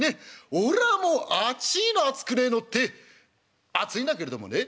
俺はもうあちいの熱くねえのって熱いんだけれどもね。